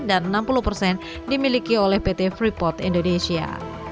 dan enam puluh dimiliki oleh pt freeport indonesia